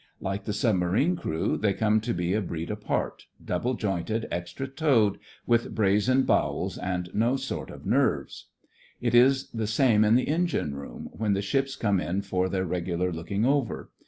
Like the submarine crew they come to be a breed apart — double jointed, extra toed, with brazen bowels and no sort of nerves. It is the same in the engine room, when the ships come in for their regular looking over.